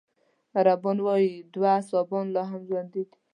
عربان وايي دوه اصحابان لا هم ژوندي دي.